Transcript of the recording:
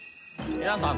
皆さん